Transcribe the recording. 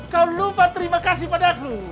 kau lupa terima kasih padaku